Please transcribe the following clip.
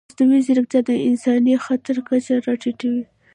مصنوعي ځیرکتیا د انساني خطا کچه راټیټوي.